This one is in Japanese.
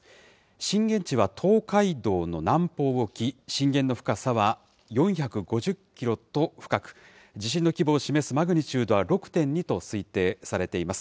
震源地は東海道の南方沖、震源の深さは４５０キロと深く、地震の規模を示すマグニチュードは６．２と推定されています。